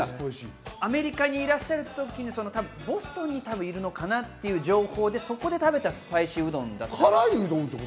アメリカにいらっしゃるときにボストンにいるのかなっていう情報で、そこで食べたスパイシーうどんだと思うので。